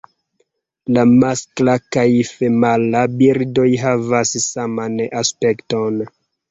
La maskla kaj femala birdoj havas saman aspekton.